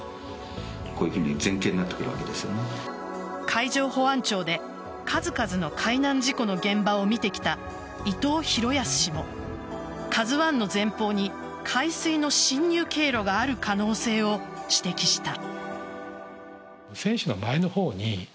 海上保安庁で数々の海難事故の現場を見てきた伊藤裕康氏も「ＫＡＺＵ１」の前方に海水の侵入経路がある可能性を指摘した。